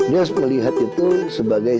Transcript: dia harus melihat itu sebagai